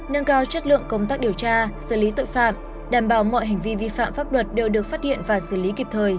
nâng cao chất lượng công tác điều tra xử lý tội phạm đảm bảo mọi hành vi vi phạm pháp luật đều được phát hiện và xử lý kịp thời